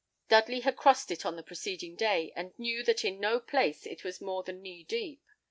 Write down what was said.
Dudley had crossed it on the preceding day, and knew that in no place it was more than knee deep.